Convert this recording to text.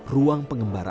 ruang pengembaraan itu